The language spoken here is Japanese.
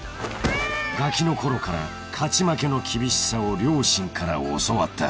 ［ガキのころから勝ち負けの厳しさを両親から教わった］